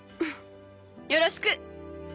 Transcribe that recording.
よろしく。